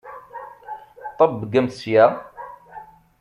Ṭebbgemt sya!